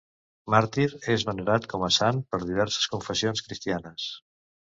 Màrtir, és venerat com a sant per diverses confessions cristianes.